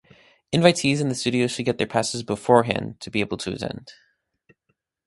Invitees in the studio should get their passes beforehand to be able to attend.